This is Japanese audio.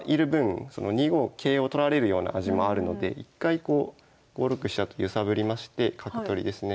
２五桂を取られるような味もあるので一回こう５六飛車と揺さぶりまして角取りですね。